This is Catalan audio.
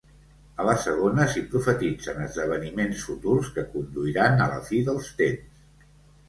A la segona s'hi profetitzen esdeveniments futurs que conduiran a la Fi dels Temps.